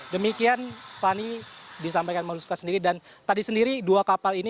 demikian fani disampaikan marufka sendiri dan tadi sendiri dua kapal ini